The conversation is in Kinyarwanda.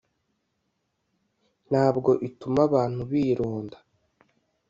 ntabwo ituma abantu bironda